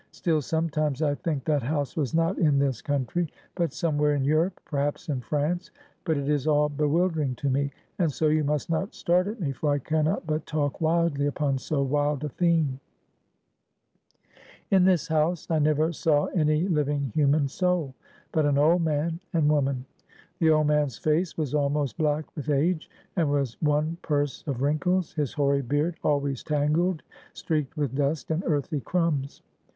Still, sometimes I think that house was not in this country, but somewhere in Europe; perhaps in France; but it is all bewildering to me; and so you must not start at me, for I can not but talk wildly upon so wild a theme. "In this house I never saw any living human soul, but an old man and woman. The old man's face was almost black with age, and was one purse of wrinkles, his hoary beard always tangled, streaked with dust and earthy crumbs.